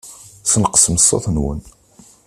Sneqṣem ṣṣut-nwen.